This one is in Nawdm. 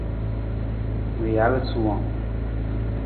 Ma jaal suwang.